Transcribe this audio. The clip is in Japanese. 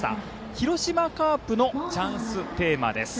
広島カープのチャンステーマです。